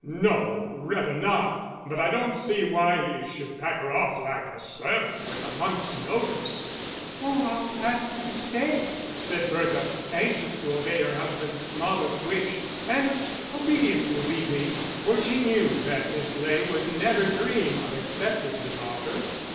"No, rather not; but I don't see why you should pack her off like a servant with a month's notice." "Oh, I'll ask her to stay," said Bertha, anxious to obey her husband's smallest wish; and obedience was easy, for she knew that Miss Ley would never dream of accepting the offer.